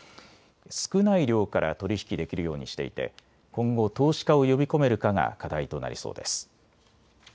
少ない量から取り引きできるようにしていて今後、投資家を呼び込めるかが課題となりそうです。